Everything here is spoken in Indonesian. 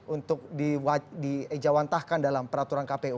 untuk diejawantahkan dalam peraturan kpu